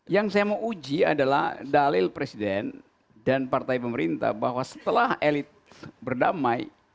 yang saya mau uji adalah dalil presiden dan partai pemerintah bahwa setelah elit berdamai